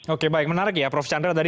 oke baik menarik ya prof chandra tadi